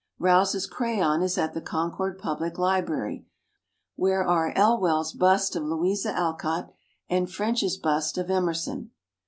Rowse's crayon is at the Concord Public Library, where are Elwell's bust of Louisa Al cott and French's bust of Emerson.